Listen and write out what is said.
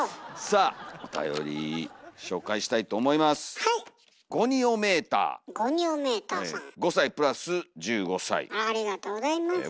ありがとうございます。